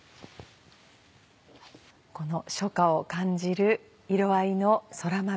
この初夏を感じる色合いのそら豆。